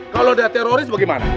kalau dia teroris bagaimana